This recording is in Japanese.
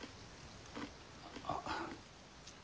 あっ。